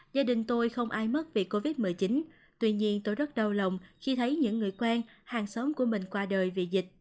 gia đình tôi không ai mất vì covid một mươi chín tuy nhiên tôi rất đau lòng khi thấy những người quen hàng xóm của mình qua đời vì dịch